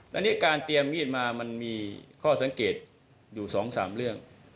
อันนี้การเตรียมมีดมามันมีข้อสังเกตอยู่๒๓เรื่อง